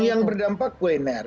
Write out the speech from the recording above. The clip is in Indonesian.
yang berdampak kuliner